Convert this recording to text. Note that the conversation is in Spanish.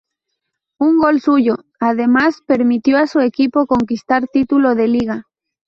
Un gol suyo, además, permitió a su equipo conquistar título de Liga.